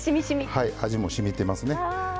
味もしみてますね。